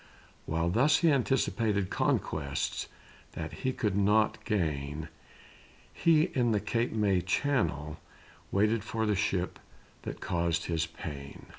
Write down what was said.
While he thus anticipated Conquests that he could not gain, He in the Cape May channel waited For the ship that caused his pain.